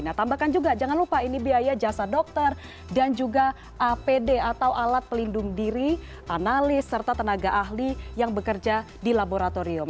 nah tambahkan juga jangan lupa ini biaya jasa dokter dan juga apd atau alat pelindung diri analis serta tenaga ahli yang bekerja di laboratorium